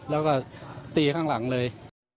แล้วก็ตีข้างหลังเลย